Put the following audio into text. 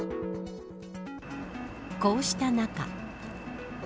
こうした中。